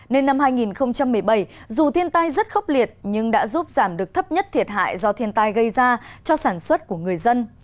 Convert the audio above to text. nên năm hai nghìn một mươi bảy dù thiên tai rất khốc liệt nhưng đã giúp giảm được thấp nhất thiệt hại do thiên tai gây ra cho sản xuất của người dân